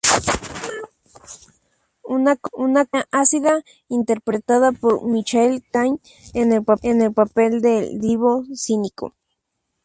Una comedia ácida, interpretada por Michael Caine en el papel del directivo cínico.